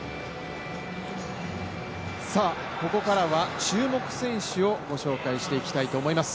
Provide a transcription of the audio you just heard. ここからは注目選手をご紹介していきたいと思います。